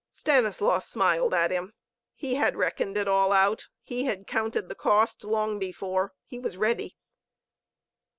Stanislaus smiled at him. He had reckoned it all out, he had "counted the cost" long before, he was ready.